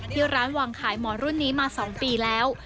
ที่ร้านวางขายหมอนรุ่นนี้มา๒ปีแล้ว